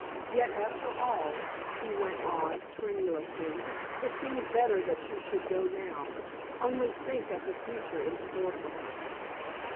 Yet, after all," he went on tremulously, "it seems better that she should go now. Only think of the future in store for her!"